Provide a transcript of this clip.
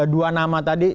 dua nama tadi